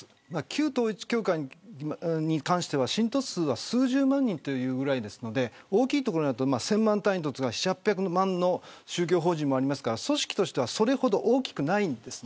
旧統一教会に関しては信徒数は数十万人というぐらいですので大きいところになると１０００万単位とか７、８００万の宗教法人もありますから組織としてはそれほど大きくないんです。